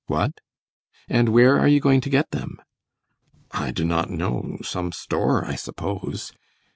"What?" "And where are you going to get them?" "I do not know some store, I suppose."